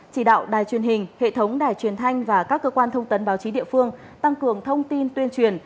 chỉ đạo đài truyền hình hệ thống đài truyền thanh và các cơ quan thông tấn báo chí địa phương tăng cường thông tin tuyên truyền